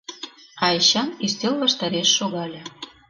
А Эчан ӱстел ваштареш шогале.